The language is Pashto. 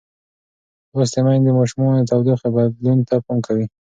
لوستې میندې د ماشومانو د تودوخې بدلون ته پام کوي.